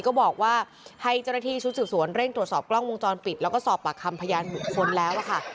ก็บอกว่าให้เจ้าหน้าที่ชุดสืบสวนเร่งตรวจสอบกล้องวงจรปิดแล้วก็สอบปากคำพยานบุคคลแล้วค่ะ